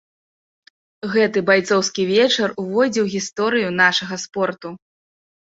Гэты байцоўскі вечар увойдзе ў гісторыю нашага спорту.